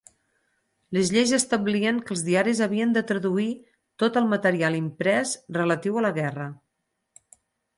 Les lleis establien que els diaris havien de traduir tot el material imprès relatiu a la guerra.